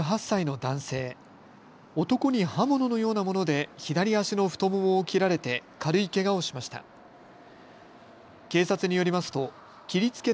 男に刃物のようなもので左足の太ももを切られて軽いけがをしました。